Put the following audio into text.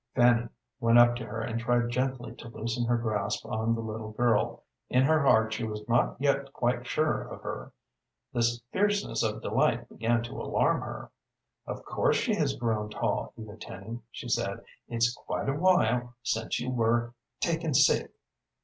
Fanny went up to her and tried gently to loosen her grasp of the little girl. In her heart she was not yet quite sure of her. This fierceness of delight began to alarm her. "Of course she has grown tall, Eva Tenny," she said. "It's quite a while since you were taken sick."